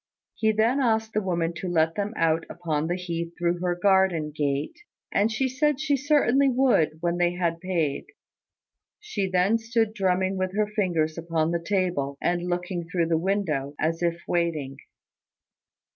He then asked the woman to let them out upon the heath through her garden gate; and she said she certainly would when they had paid. She then stood drumming with her fingers upon the table, and looking through the window, as if waiting.